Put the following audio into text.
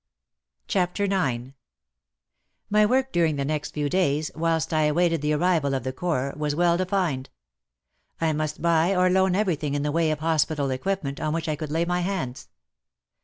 CHAPTER IX My work during the next few days, whilst I awaited the arrival of the Corps, was well defined. I must buy or loan everything in the way of hospital equipment on which I could lay my hands.